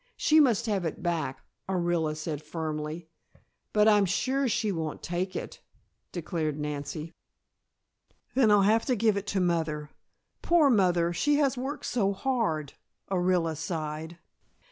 She must have it back," Orilla said firmly. "But I'm sure she won't take it " declared Nancy. "Then I'll have to give it to mother. Poor mother, she has worked so hard," Orilla sighed.